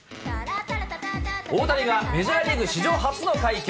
大谷がメジャーリーグ史上初の快挙。